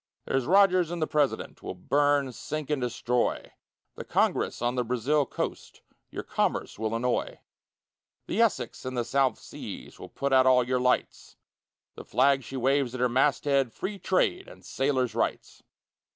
There's Rogers in the President, Will burn, sink, and destroy; The Congress, on the Brazil coast, Your commerce will annoy; The Essex, in the South Seas, Will put out all your lights, The flag she waves at her mast head "Free Trade and Sailor's Rights."